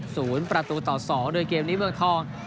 สูญประตูต่อ๒โดยเกมนี้เมืองท้อง